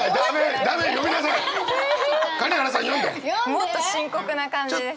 もっと深刻な感じです。